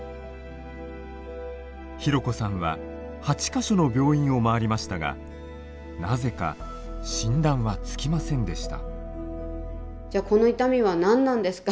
ひろこさんは８か所の病院を回りましたがなぜか診断はつきませんでした。